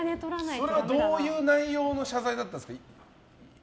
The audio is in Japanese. それはどういう内容の謝罪だったんですか？